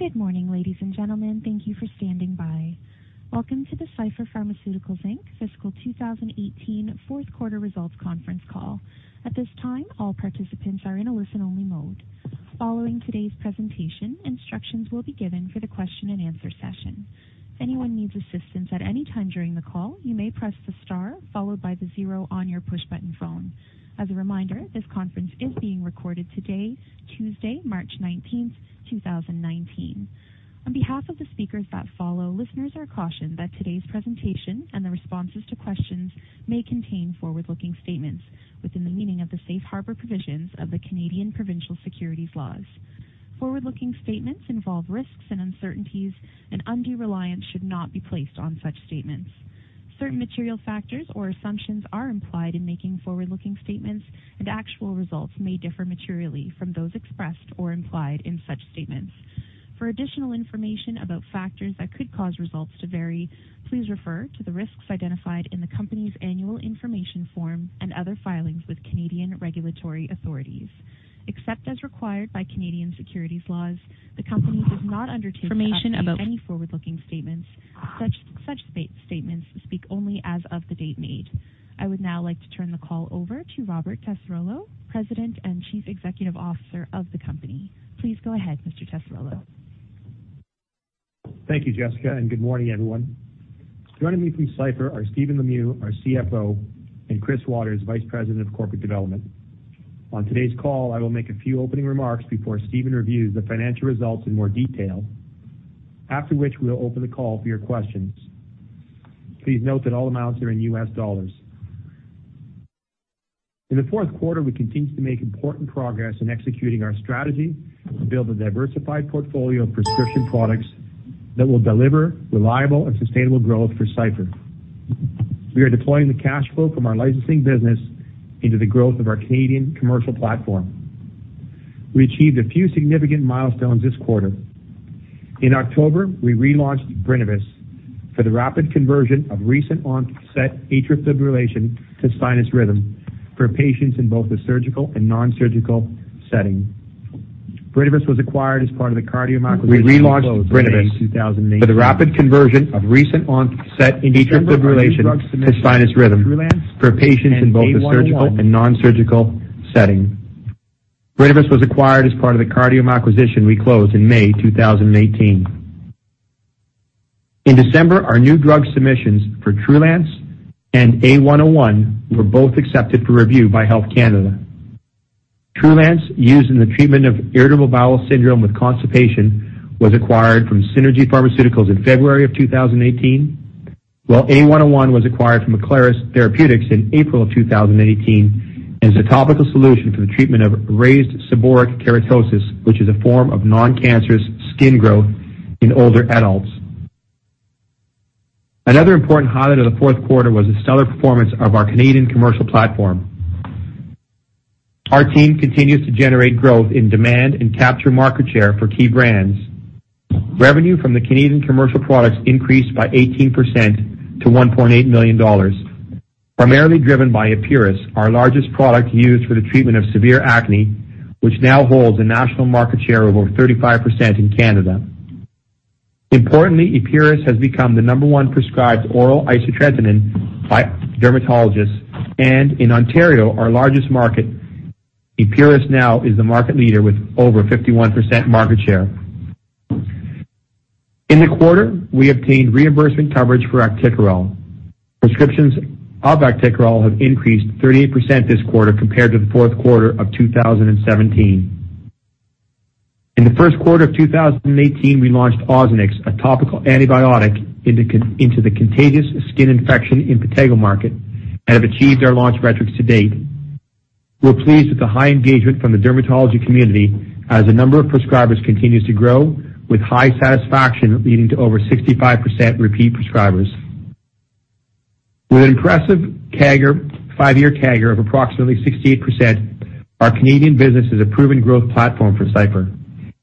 Good morning, ladies and gentlemen. Thank you for standing by. Welcome to the Cipher Pharmaceuticals Inc. fiscal 2018 fourth quarter results conference call. At this time, all participants are in a listen-only mode. Following today's presentation, instructions will be given for the question and answer session. If anyone needs assistance at any time during the call, you may press the star followed by the zero on your push button phone. As a reminder, this conference is being recorded today, Tuesday, March 19th, 2019. On behalf of the speakers that follow, listeners are cautioned that today's presentation and the responses to questions may contain forward-looking statements within the meaning of the safe harbor provisions of the Canadian provincial securities laws. Forward-looking statements involve risks and uncertainties, and undue reliance should not be placed on such statements. Certain material factors or assumptions are implied in making forward-looking statements, and actual results may differ materially from those expressed or implied in such statements. For additional information about factors that could cause results to vary, please refer to the risks identified in the company's annual information form and other filings with Canadian regulatory authorities. Except as required by Canadian securities laws, the company does not undertake any forward-looking statements. Such statements speak only as of the date made. I would now like to turn the call over to Robert Tessarolo, President and Chief Executive Officer of the company. Please go ahead, Mr. Tessarolo. Thank you, Jessica, and good morning, everyone. Joining me from Cipher are Stephen Lemieux, our CFO, and Chris Watters, Vice President of Corporate Development. On today's call, I will make a few opening remarks before Stephen reviews the financial results in more detail, after which we'll open the call for your questions. Please note that all amounts are in US dollars. In the fourth quarter, we continue to make important progress in executing our strategy to build a diversified portfolio of prescription products that will deliver reliable and sustainable growth for Cipher. We are deploying the cash flow from our licensing business into the growth of our Canadian commercial platform. We achieved a few significant milestones this quarter. In October, we relaunched Brinavess for the rapid conversion of recent onset atrial fibrillation to sinus rhythm for patients in both the surgical and non-surgical setting. Brinavess was acquired as part of the Cardiome. We relaunched Brinavess for the rapid conversion of recent onset atrial fibrillation to sinus rhythm for patients in both the surgical and non-surgical setting. Brinavess was acquired as part of the Cardiome acquisition we closed in May 2018. In December, our new drug submissions for Trulance and A101 were both accepted for review by Health Canada. Trulance, used in the treatment of irritable bowel syndrome with constipation, was acquired from Synergy Pharmaceuticals in February of 2018, while A101 was acquired from Aclaris Therapeutics in April of 2018 as a topical solution for the treatment of raised seborrheic keratosis, which is a form of non-cancerous skin growth in older adults. Another important highlight of the fourth quarter was the stellar performance of our Canadian commercial platform. Our team continues to generate growth in demand and capture market share for key brands. Revenue from the Canadian commercial products increased by 18% to $1.8 million, primarily driven by Epuris, our largest product used for the treatment of severe acne, which now holds a national market share of over 35% in Canada. Importantly, Epuris has become the number one prescribed oral isotretinoin by dermatologists, and in Ontario, our largest market, Epuris now is the market leader with over 51% market share. In the quarter, we obtained reimbursement coverage for Actikerall. Prescriptions of Actikerall have increased 38% this quarter compared to the fourth quarter of 2017. In the first quarter of 2018, we launched Ozanex, a topical antibiotic into the contagious skin infection in the impetigo market, and have achieved our launch metrics to date. We're pleased with the high engagement from the dermatology community as the number of prescribers continues to grow with high satisfaction, leading to over 65% repeat prescribers. With an impressive five-year CAGR of approximately 68%, our Canadian business is a proven growth platform for Cipher.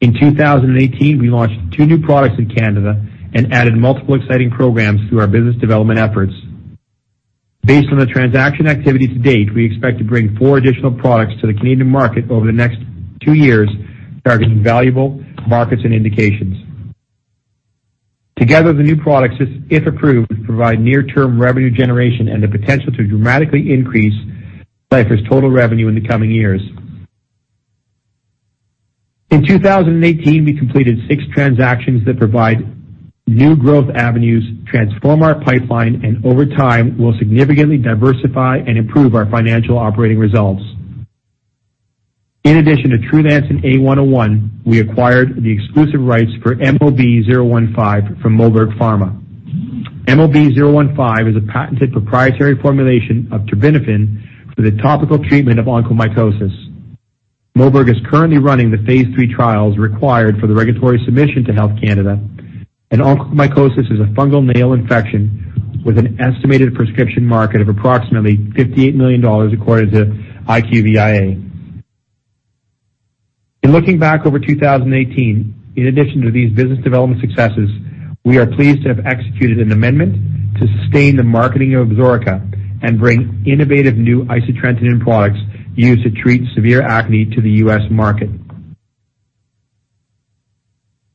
In 2018, we launched two new products in Canada and added multiple exciting programs through our business development efforts. Based on the transaction activity to date, we expect to bring four additional products to the Canadian market over the next two years, targeting valuable markets and indications. Together, the new products, if approved, provide near-term revenue generation and the potential to dramatically increase Cipher's total revenue in the coming years. In 2018, we completed six transactions that provide new growth avenues, transform our pipeline, and over time will significantly diversify and improve our financial operating results. In addition to Trulance and A101, we acquired the exclusive rights for MOB-015 from Moberg Pharma. MOB-015 is a patented proprietary formulation of terbinafine for the topical treatment of onychomycosis. Pharma is currently running the phase III trials required for the regulatory submission to Health Canada, and onychomycosis is a fungal nail infection with an estimated prescription market of approximately $58 million according to IQVIA. In looking back over 2018, in addition to these business development successes, we are pleased to have executed an amendment to sustain the marketing of Absorica and bring innovative new isotretinoin products used to treat severe acne to the U.S. market.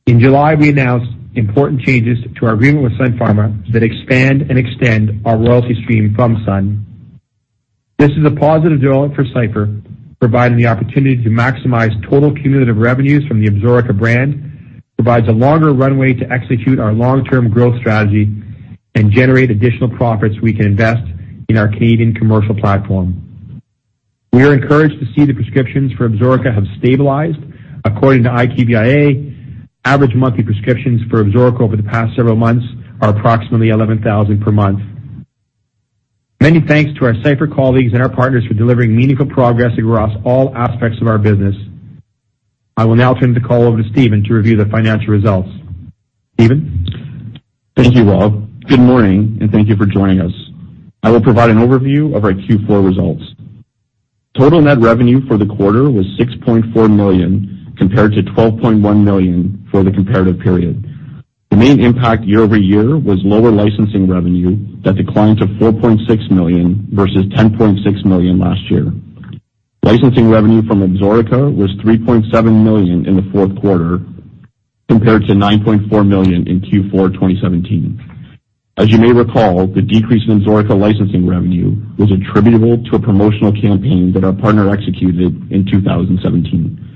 In July, we announced important changes to our agreement with Sun Pharma that expand and extend our royalty stream from Sun. This is a positive development for Cipher, providing the opportunity to maximize total cumulative revenues from the Absorica brand, provides a longer runway to execute our long-term growth strategy, and generate additional profits we can invest in our Canadian commercial platform. We are encouraged to see the prescriptions for Absorica have stabilized. According to IQVIA, average monthly prescriptions for Absorica over the past several months are approximately 11,000 per month. Many thanks to our Cipher colleagues and our partners for delivering meaningful progress across all aspects of our business. I will now turn the call over to Stephen to review the financial results. Stephen? Thank you, Rob. Good morning, and thank you for joining us. I will provide an overview of our Q4 results. Total net revenue for the quarter was $6.4 million compared to $12.1 million for the comparative period. The main impact year over year was lower licensing revenue that declined to $4.6 million versus $10.6 million last year. Licensing revenue from Absorica was $3.7 million in the fourth quarter compared to $9.4 million in Q4 2017. As you may recall, the decrease in Absorica licensing revenue was attributable to a promotional campaign that our partner executed in 2017.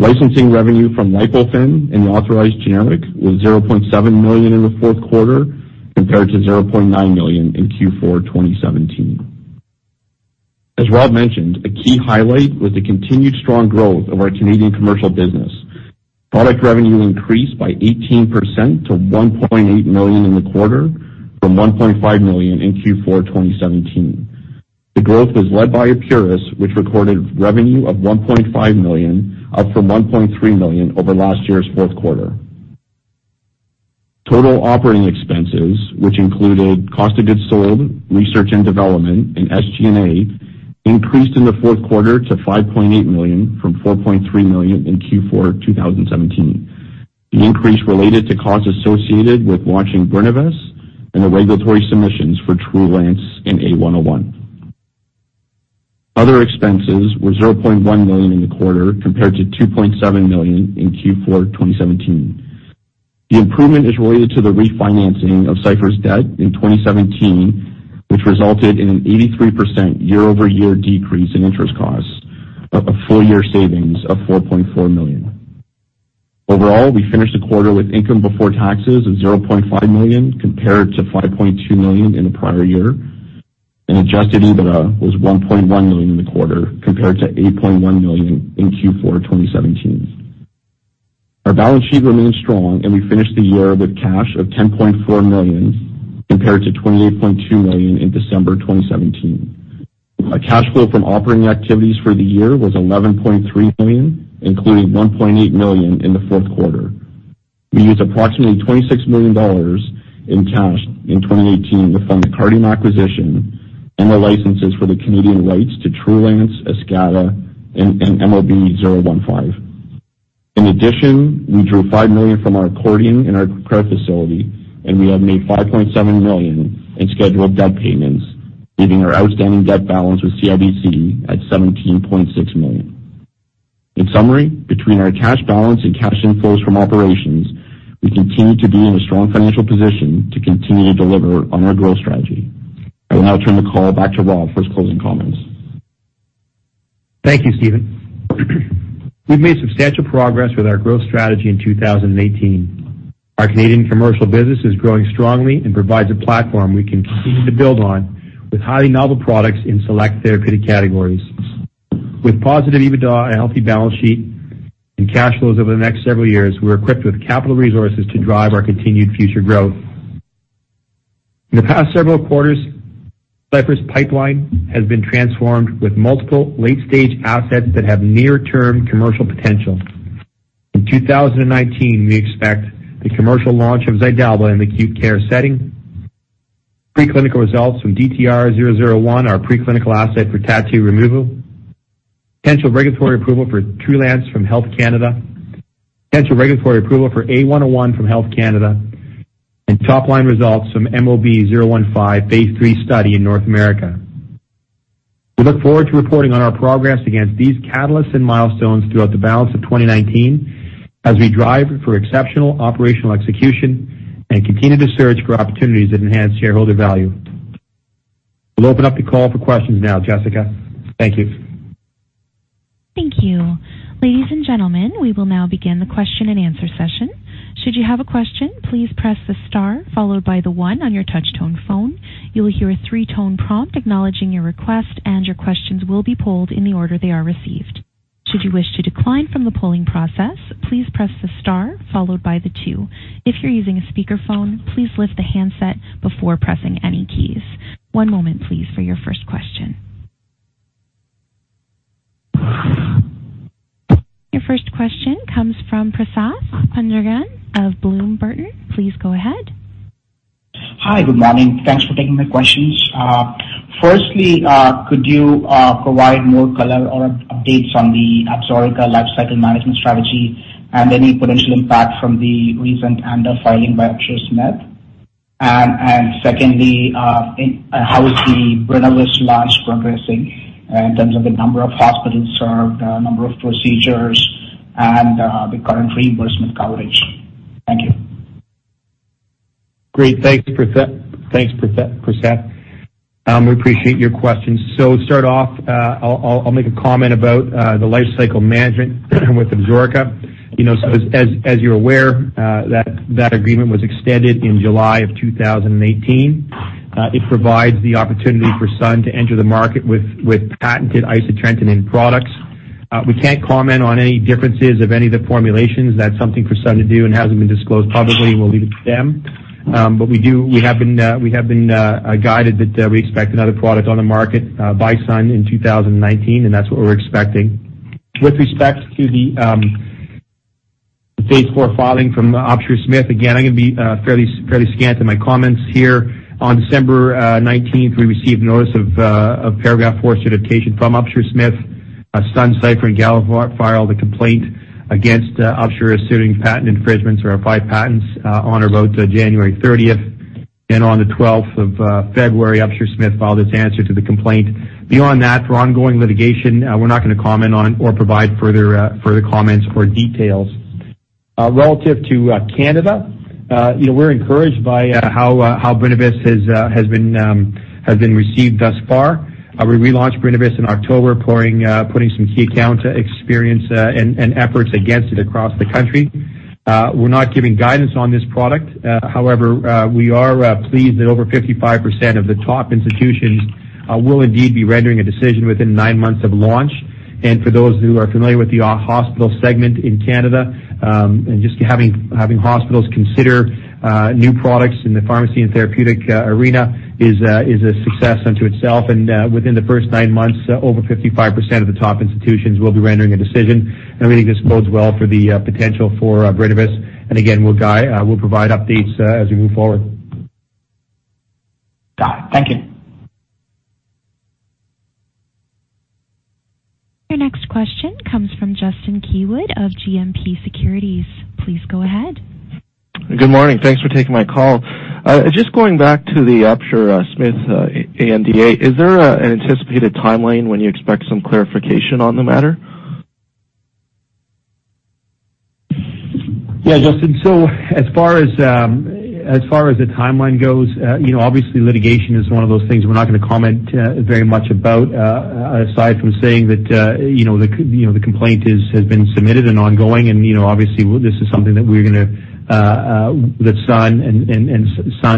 Licensing revenue from Lipofen and the authorized generic was $0.7 million in the fourth quarter compared to $0.9 million in Q4 2017. As Rob mentioned, a key highlight was the continued strong growth of our Canadian commercial business. Product revenue increased by 18% to $1.8 million in the quarter from $1.5 million in Q4 2017. The growth was led by Epuris, which recorded revenue of $1.5 million, up from $1.3 million over last year's fourth quarter. Total operating expenses, which included cost of goods sold, research and development, and SG&A, increased in the fourth quarter to $5.8 million from $4.3 million in Q4 2017. The increase related to costs associated with launching Brinavess and the regulatory submissions for Trulance and A101. Other expenses were $0.1 million in the quarter compared to $2.7 million in Q4 2017. The improvement is related to the refinancing of Cipher's debt in 2017, which resulted in an 83% year-over-year decrease in interest costs and a full-year savings of $4.4 million. Overall, we finished the quarter with income before taxes of $0.5 million compared to $5.2 million in the prior year, and adjusted EBITDA was $1.1 million in the quarter compared to $8.1 million in Q4 2017. Our balance sheet remained strong, and we finished the year with cash of $10.4 million compared to $28.2 million in December 2017. Our cash flow from operating activities for the year was $11.3 million, including $1.8 million in the fourth quarter. We used approximately $26 million in cash in 2018 to fund the Cardiome acquisition and the licenses for the Canadian rights to Trulance, Eskata, and MOB-015. In addition, we drew $5 million from our accordion in our credit facility, and we have made $5.7 million in scheduled debt payments, leaving our outstanding debt balance with CIBC at $17.6 million. In summary, between our cash balance and cash inflows from operations, we continue to be in a strong financial position to continue to deliver on our growth strategy. I will now turn the call back to Rob for his closing comments. Thank you, Stephen. We've made substantial progress with our growth strategy in 2018. Our Canadian commercial business is growing strongly and provides a platform we can continue to build on with highly novel products in select therapeutic categories. With positive EBITDA and a healthy balance sheet and cash flows over the next several years, we're equipped with capital resources to drive our continued future growth. In the past several quarters, Cipher's pipeline has been transformed with multiple late-stage assets that have near-term commercial potential. In 2019, we expect the commercial launch of Xydalba in the acute care setting, pre-clinical results from DTR-001, our pre-clinical asset for tattoo removal, potential regulatory approval for Trulance from Health Canada, potential regulatory approval for A101 from Health Canada, and top-line results from MOB-015, phase three study in North America. We look forward to reporting on our progress against these catalysts and milestones throughout the balance of 2019 as we drive for exceptional operational execution and continue to search for opportunities that enhance shareholder value. We'll open up the call for questions now, Jessica. Thank you. Thank you. Ladies and gentlemen, we will now begin the question and answer session. Should you have a question, please press the star followed by the one on your touch-tone phone. You will hear a three-tone prompt acknowledging your request, and your questions will be polled in the order they are received. Should you wish to decline from the polling process, please press the star followed by the two. If you're using a speakerphone, please lift the handset before pressing any keys. One moment, please, for your first question. Your first question comes from Prasad Padala of Bloom Burton. Please go ahead. Hi, good morning. Thanks for taking my questions. Firstly, could you provide more color or updates on the Absorica life cycle management strategy and any potential impact from the recent and the filing by Akorn? And secondly, how is the Brinavess launch progressing in terms of the number of hospitals served, number of procedures, and the current reimbursement coverage? Thank you. Great. Thanks, Prasad. We appreciate your questions. So to start off, I'll make a comment about the life cycle management with Absorica. As you're aware, that agreement was extended in July of 2018. It provides the opportunity for Sun to enter the market with patented isotretinoin products. We can't comment on any differences of any of the formulations. That's something for Sun to do and hasn't been disclosed publicly, and we'll leave it to them. But we have been guided that we expect another product on the market by Sun in 2019, and that's what we're expecting. With respect to the paragraph four filing from Akorn, again, I'm going to be fairly scant in my comments here. On December 19th, we received notice of paragraph four certification from Akorn. Pharma and Cipher and Galephar filed a complaint against Akorn suing patent infringements or applied patents on or about January 30th. On the 12th of February, Akorn filed its answer to the complaint. Beyond that, for ongoing litigation, we're not going to comment on or provide further comments or details. Relative to Canada, we're encouraged by how Brinavess has been received thus far. We relaunched Brinavess in October, putting some key account experience and efforts against it across the country. We're not giving guidance on this product. However, we are pleased that over 55% of the top institutions will indeed be rendering a decision within nine months of launch. For those who are familiar with the hospital segment in Canada, just having hospitals consider new products in the pharmacy and therapeutic arena is a success unto itself. Within the first nine months, over 55% of the top institutions will be rendering a decision. We think this bodes well for the potential for Brinavess. Again, we'll provide updates as we move forward. Got it. Thank you. Your next question comes from Justin Keywood of GMP Securities. Please go ahead. Good morning. Thanks for taking my call. Just going back to the Akorn ANDA, is there an anticipated timeline when you expect some clarification on the matter? Yeah, Justin. So as far as the timeline goes, obviously, litigation is one of those things we're not going to comment very much about, aside from saying that the complaint has been submitted and ongoing. And obviously, this is something that we're going to that Sun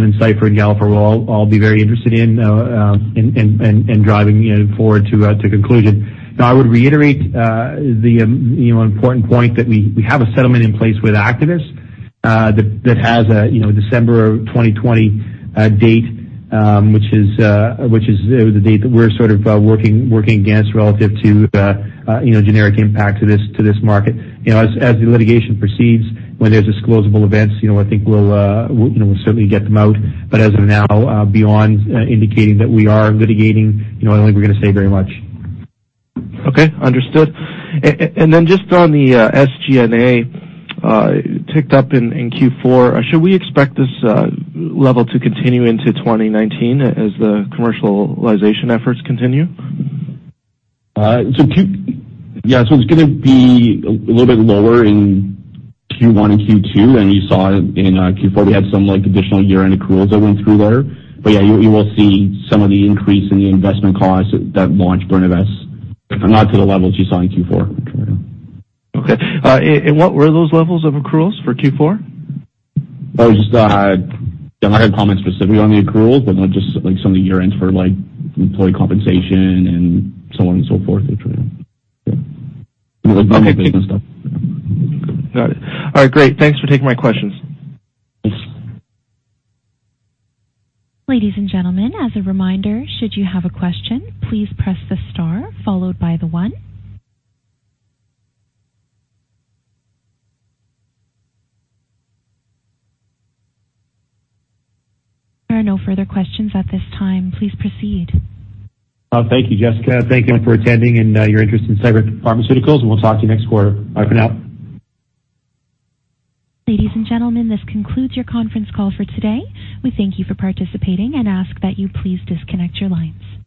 and Cipher and Galephar are all be very interested in and driving forward to conclusion. Now, I would reiterate the important point that we have a settlement in place with Actavis that has a December 2020 date, which is the date that we're sort of working against relative to generic impact to this market. As the litigation proceeds, when there's disclosable events, I think we'll certainly get them out. But as of now, beyond indicating that we are litigating, I don't think we're going to say very much. Okay. Understood. And then just on the SG&A, ticked up in Q4, should we expect this level to continue into 2019 as the commercialization efforts continue? Yeah. So it's going to be a little bit lower in Q1 and Q2 than you saw in Q4. We had some additional year-end accruals that went through there. But yeah, you will see some of the increase in the investment costs that launched Brinavess, but not to the levels you saw in Q4. Okay. And what were those levels of accruals for Q4? Oh, just I'm not going to comment specifically on the accruals, but just some of the year-ends for employee compensation and so on and so forth. Yeah. Got it. All right. Great. Thanks for taking my questions. Thanks. Ladies and gentlemen, as a reminder, should you have a question, please press the star followed by the one. There are no further questions at this time. Please proceed. Thank you, Jessica. Thank you for attending and your interest in Cipher Pharmaceuticals. And we'll talk to you next quarter. Bye for now. Ladies and gentlemen, this concludes your conference call for today. We thank you for participating and ask that you please disconnect your lines.